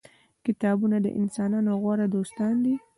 کتابونه د انسانانو غوره دوستان دي.